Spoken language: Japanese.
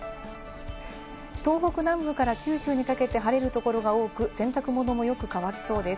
東北南部から九州にかけて晴れるところが多く、洗濯物もよく乾きそうです。